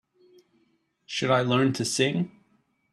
Should I learn to sing?